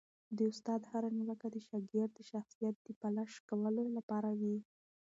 د استاد هره نیوکه د شاګرد د شخصیت د پالش کولو لپاره وي.